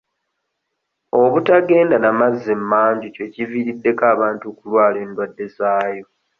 Obutagenda na mazzi emmanju kye kiviiriddeko abantu okulwala endwadde zaayo.